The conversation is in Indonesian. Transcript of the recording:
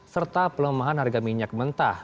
serta pelemahan harga minyak mentah